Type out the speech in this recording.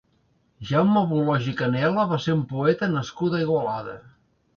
Jaume Boloix i Canela va ser un poeta nascut a Igualada.